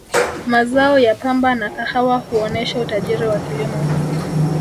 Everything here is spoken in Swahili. mazao ya pamba na kahawa huonesha utajiri wa kilimo